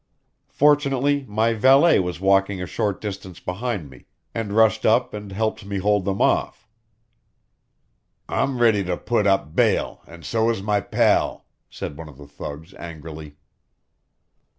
Fortunately, my valet was walking a short distance behind me, and rushed up and helped me hold them off." "I'm ready to put up bail, and so is my pal!" said one of the thugs angrily.